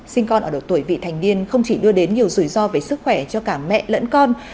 sinh con ở độ tuổi vị thành niên không chỉ đưa đến nhiều rủi ro về sức khỏe cho cả mẹ lẫn con